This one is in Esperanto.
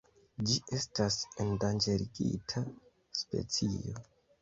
Ĝi estas endanĝerigita specio.